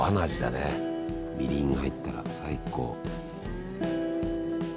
みりんが入ったら最高。